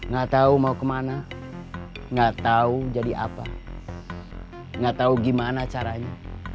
gak tau mau kemana gak tau jadi apa gak tau gimana caranya